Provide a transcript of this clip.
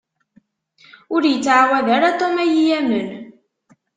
Ur ittɛawed ara Tom ad yi-yamen.